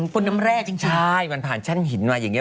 ภูมิน้ำแร่จริงนะครับใช่มันผ่านชั้นหินมาอย่างนี้